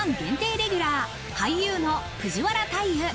限定レギュラー、俳優の藤原大祐。